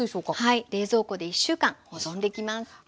はい冷蔵庫で１週間保存できます。